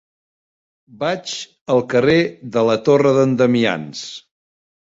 Vaig al carrer de la Torre d'en Damians.